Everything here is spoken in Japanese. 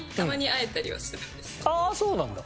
ああそうなんだ！